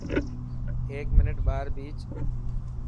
هيڪ منٽ ٻاهر ڀيچ.